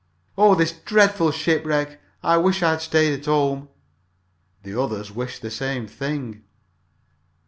"Oh, this dreadful shipwreck! I wish I had stayed home!" The others wished the same thing.